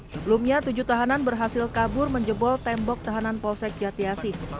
sebelumnya tujuh tahanan berhasil kabur menjebol tembok tahanan polsek jatiasi